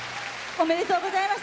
おめでとうございます。